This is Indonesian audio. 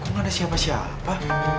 kau kan ada siapa siapa